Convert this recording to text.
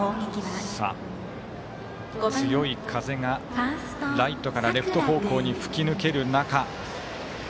強い風がライトからレフト方向へ吹き抜ける中。